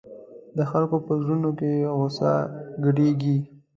د خلکو په زړونو کې غوسه ګډېږي.